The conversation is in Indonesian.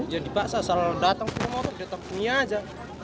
jadi pas asal datang dia tetap punya aja